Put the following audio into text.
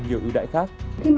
nhiều ưu đại khác